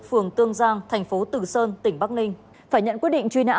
phường tương giang thành phố tử sơn tỉnh bắc ninh phải nhận quyết định truy nã